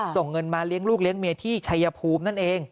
ส่งเงินมาเลี้ยงลูกเลี้ยงเมียที่ชัยภูมินั่นเอง